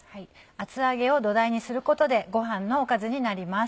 厚揚げを土台にすることでご飯のおかずになります。